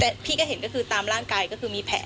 แต่พี่ก็เห็นก็คือตามร่างกายก็คือมีแผล